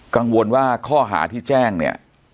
กังวลว่าข้อหาที่แจ้งเนี่ย